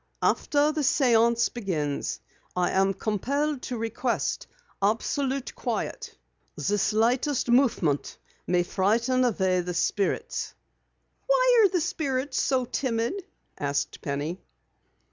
After the séance begins I am compelled to request absolute quiet. The slightest movement may frighten away the Spirits." "Why are spirits so timid?" asked Penny.